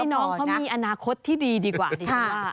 ให้น้องเขามีอนาคตที่ดีดีกว่าดีกว่า